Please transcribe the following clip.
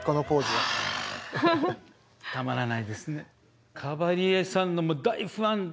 はぁたまらないですね。